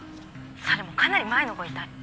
それもかなり前のご遺体」